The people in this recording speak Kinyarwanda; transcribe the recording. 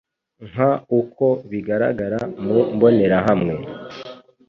Nk uko bigaragara mu mbonerahamwe